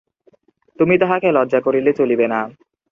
তুমি তাঁহাকে লজ্জা করিলে চলিবে না।